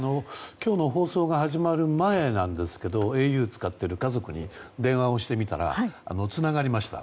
今日の放送が始まる前なんですがａｕを使っている家族に電話をしてみたらつながりました。